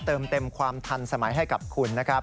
เติมเต็มความทันสมัยให้กับคุณนะครับ